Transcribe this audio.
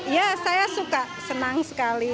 ya saya suka senang sekali